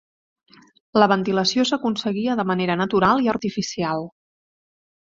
La ventilació s'aconseguia de manera natural i artificial.